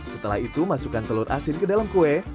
setelah itu masukkan telur asin ke dalam kue